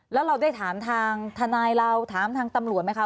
แล้วเราได้ถามทางทนายเราถามทางตำรวจไหมคะ